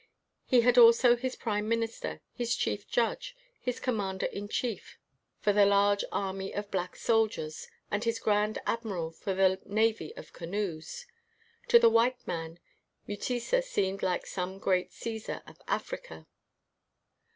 He had also his prime minister, his chief judge, his commander in chief for the 9 WHITE MAN OF WORK large army of black soldiers, and his grand admiral for the navy of canoes. To the white man, Mutesa seemed like some great Caesar of Africa.